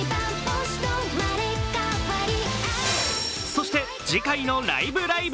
そして、次回の「ライブ！ライブ！」